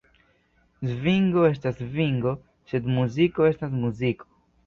Svingo estas svingo, sed muziko estas muziko!